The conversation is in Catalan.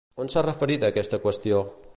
On s'ha referit a aquesta qüestió?